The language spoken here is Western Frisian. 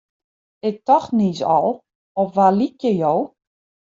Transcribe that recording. Ik tocht niis al, op wa lykje jo?